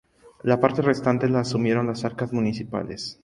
La parte restante la asumieron las arcas municipales.